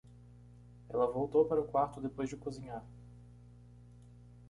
Ela voltou para o quarto depois de cozinhar.